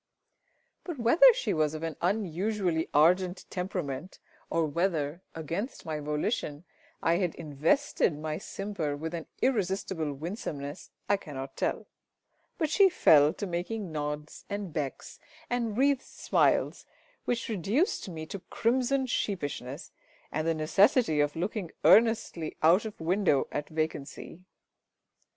But whether she was of an unusually ardent temperament, or whether, against my volition, I had invested my simper with an irresistible winsomeness, I cannot tell; but she fell to making nods and becks and wreathed smiles which reduced me to crimsoned sheepishness, and the necessity of looking earnestly out of window at vacancy.